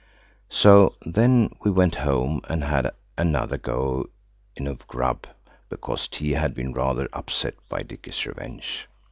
So then we went home and had another go in of grub–because tea had been rather upset by Dicky's revenge.